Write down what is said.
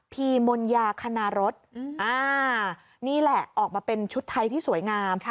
ีมนยาคณรสนี่แหละออกมาเป็นชุดไทยที่สวยงาม